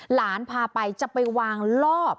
หลานพาไปจะไปวางลอบ